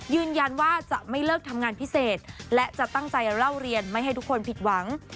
ยืนยันว่าจะไม่เลิกทำงานพิเศษและจะตั้งใจเล่าเรียนไม่ให้ทุกคนผิดหวัง